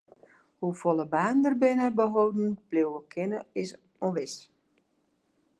Hoefolle banen dêrby behâlden bliuwe kinne is ûnwis.